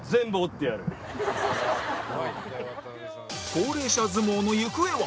高齢者相撲の行方は？